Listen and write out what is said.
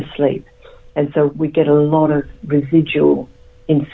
jadi kita mendapatkan banyak insomnia yang berasal dari penyelamatan ptsd